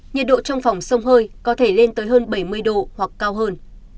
nhiệt độ trong phòng sông hơi có thể lên tới hơn bảy mươi độ hoặc cao hơn